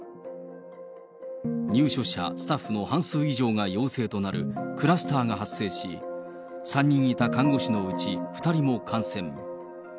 入所者、スタッフの半数以上が陽性となるクラスターが発生し、３人いた看護師のうち２人も感染。